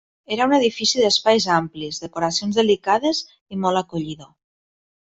Era un edifici d'espais amplis, decoracions delicades i molt acollidor.